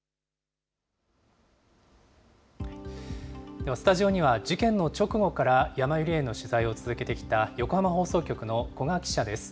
では、スタジオには事件の直後からやまゆり園の取材を続けてきた横浜放送局の古賀記者です。